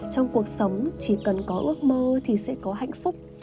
trong cuộc sống chỉ cần có ước mơ thì sẽ có hạnh phúc